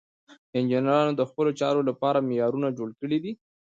انجینرانو د خپلو چارو لپاره معیارونه جوړ کړي دي.